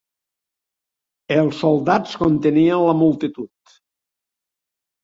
Els soldats contenien la multitud.